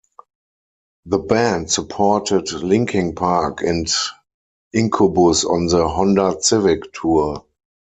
The band supported Linkin Park and Incubus on the Honda Civic Tour.